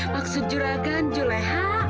maksud juragan juleha